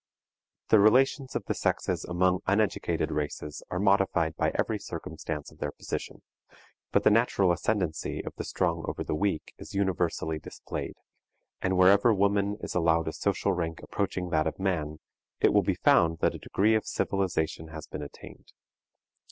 The relations of the sexes among uneducated races are modified by every circumstance of their position, but the natural ascendency of the strong over the weak is universally displayed, and wherever woman is allowed a social rank approaching that of man, it will be found that a degree of civilization has been attained.